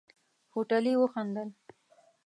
هوټلي وخندل.